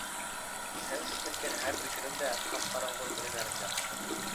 سەنسىز ئۆتكەن ھەر بىر كۈنۈمدە، قاپقاراڭغۇ بىلىنەر جاھان.